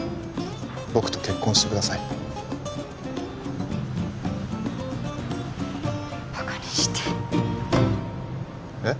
僕と結婚してくださいバカにしてえっ？